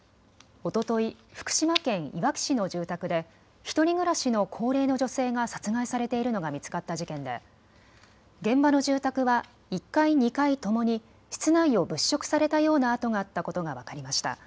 おととい、福島県いわき市の住宅で１人暮らしの高齢の女性が殺害されているのが見つかった事件で、現場の住宅は１階、２階ともに室内を物色されたような跡があったことが分かりました。